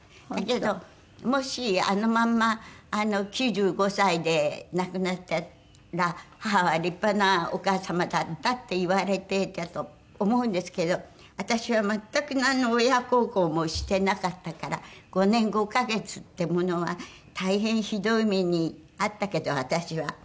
だけどもしあのまんま９５歳で亡くなったら母は立派なお母様だったって言われてたと思うんですけど私は全くなんの親孝行もしてなかったから５年５カ月ってものは大変ひどい目に遭ったけど私は。